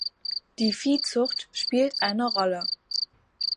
Die Viehzucht spielt eine Rolle.